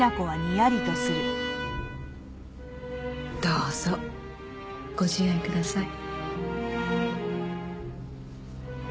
どうぞご自愛ください。